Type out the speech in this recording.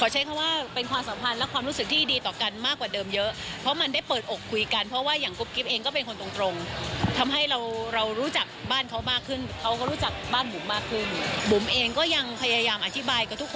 ช่วงที่มีประเด็นดราม่าเครียดมากแล้วหนักกับตัวเองพอสมควร